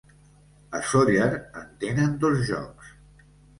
A Sóller en tenen dos jocs.